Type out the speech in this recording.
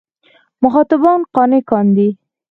مخاطبان قانع کاندي.